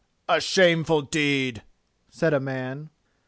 "A shameful deed!" said a man.